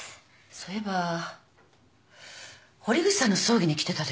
そういえば堀口さんの葬儀に来てたでしょ。